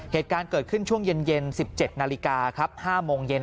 เหตุการณ์เกิดขึ้นช่วงเย็น๑๗นาฬิกาครับ๕โมงเย็น